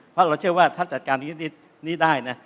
เพราะเราเชื่อว่าถ้าจัดการนี้ได้นะ